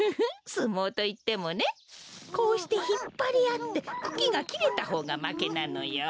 すもうといってもねこうしてひっぱりあってクキがきれたほうがまけなのよ。